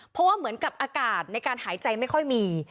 เพราะว่าเหมือนกับอากาศในการหายใจไม่ค่อยมี